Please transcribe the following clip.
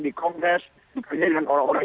di kongres dengan orang orang